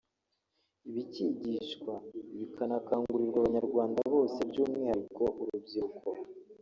bikigishwa bikanakangurirwa Abanyarwanda bose by’umwihariko urubyiruko